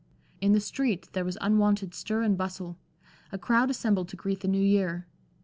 In the street there was unwonted stir and bustle. A crowd assembled to greet the New Year.